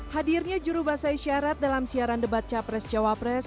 hadirnya juru bahasa isyarat dalam siaran debat capres cawapres